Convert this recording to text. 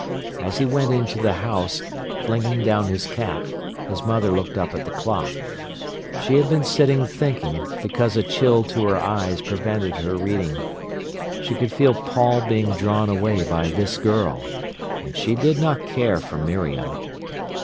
As he went into the house, flinging down his cap, his mother looked up at the clock. She had been sitting thinking, because a chill to her eyes prevented her reading. She could feel Paul being drawn away by this girl. And she did not care for Miriam.